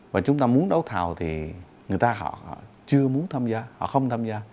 và chúng ta muốn đấu thảo thì người ta họ chưa muốn tham gia họ không tham gia